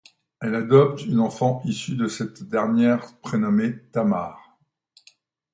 Elle adopte une enfant issue de cette dernière prénommée Tamar.